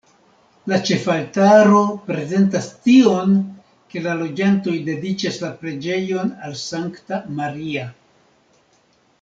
La ĉefaltaro prezentas tion, ke la loĝantoj dediĉas la preĝejon al Sankta Maria.